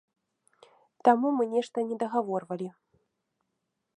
Таму мы нешта не дагаворвалі.